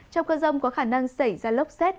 trong cơn rông có khả năng xảy ra lốc xét